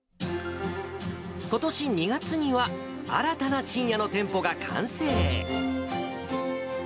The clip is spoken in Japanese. ことし２月には、新たなちんやの店舗が完成。